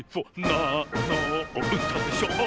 「なんのうたでしょ」